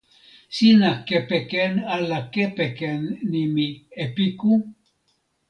sina kepeken ala kepeken nimi "epiku"?